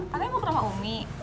katanya mau ke rumah umi